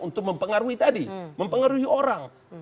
untuk mempengaruhi tadi mempengaruhi orang